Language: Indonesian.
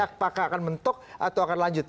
apakah akan mentok atau akan lanjut